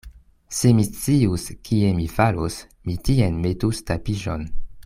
Se mi scius, kie mi falos, mi tien metus tapiŝon.